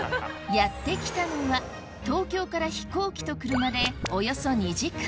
やって来たのは東京から飛行機と車でおよそ２時間